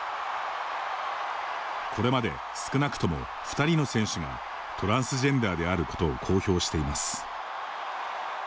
これまで少なくとも２人の選手がトランスジェンダーであることを公表しています。